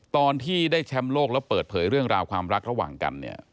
ตอนที่ได้แชมป์โลกแล้วเปิดเผยเรื่องราวความรักระหว่างกันเนี่ย